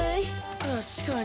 確かに。